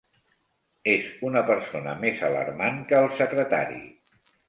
És una persona més alarmant que el secretari.